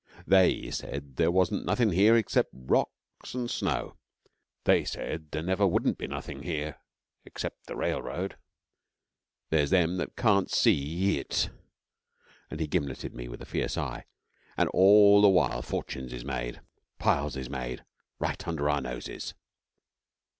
'They said there wasn't nothing here excep' rocks an' snow. They said there never wouldn't be nothing here excep' the railroad. There's them that can't see yit,' and he gimleted me with a fierce eye. 'An' all the while, fortunes is made piles is made right under our noses.'